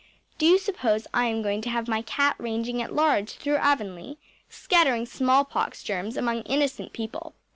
Do you suppose I am going to have my cat ranging at large through Avonlea, scattering smallpox germs among innocent people?